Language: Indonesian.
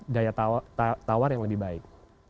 daya tawar yang lebih baik